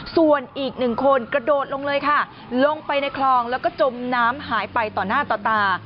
ส่วนอีกหนึ่งคนกระโดดลงเลยค่ะลงไปในคลองแล้วก็จมน้ำหายไปต่อหน้าต่อตา